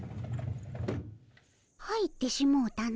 入ってしもうたの。